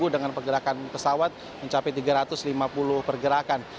dengan pergerakan pesawat mencapai tiga ratus lima puluh pergerakan